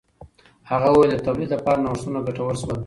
هغه وویل د تولید لپاره نوښتونه ګټور شول.